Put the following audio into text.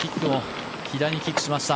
左にキックしました。